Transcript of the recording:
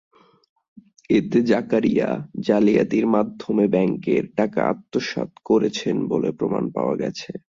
এতে জাকারিয়া জালিয়াতির মাধ্যমে ব্যাংকের টাকা আত্মসাৎ করেছেন বলে প্রমাণ পাওয়া গেছে।